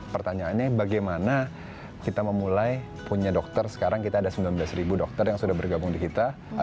pertanyaannya bagaimana kita memulai punya dokter sekarang kita ada sembilan belas dokter yang sudah bergabung di kita